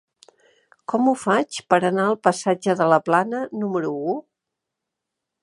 Com ho faig per anar al passatge de la Plana número u?